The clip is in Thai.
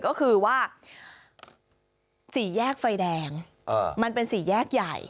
ก็คือว่าสี่แยกไฟแดงมันเป็นสี่แยกใหญ่